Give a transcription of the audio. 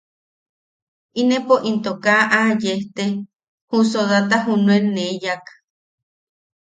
Inepo into kaa aa yejte, ju sodataka junuen nee yaak.